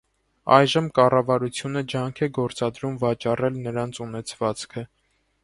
Այժմ կառավարությունը ջանք է գործադրում վաճառել նրանց ունեցվածքը։